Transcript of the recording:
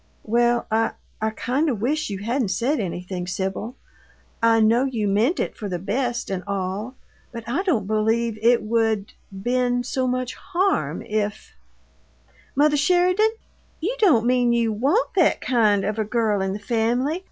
"Well, I I kind o' wish you hadn't said anything, Sibyl. I know you meant it for the best and all, but I don't believe it would been so much harm if " "Mother Sheridan, you don't mean you WANT that kind of a girl in the family?